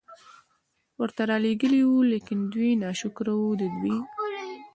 ورته را ليږلي وو، ليکن دوی ناشکره وو، د دوی